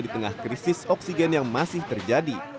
di tengah krisis oksigen yang masih terjadi